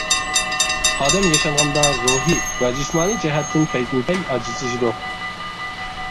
ئادەم ياشانغاندا روھىي ۋە جىسمانىي جەھەتتىن پەيدىنپەي ئاجىزلىشىدۇ.